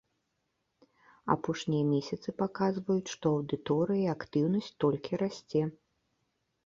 Апошнія месяцы паказваюць, што аўдыторыя і актыўнасць толькі расце.